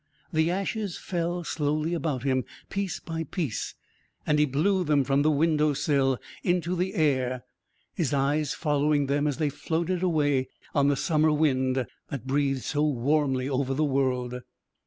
The ashes fell slowly about him, piece by piece, and he blew them from the window sill into the air, his eyes following them as they floated away on the summer wind that breathed so warmly over the world.